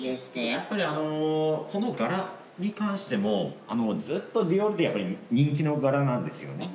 やっぱりこの柄に関してもずっとディオールでやっぱり人気の柄なんですよね。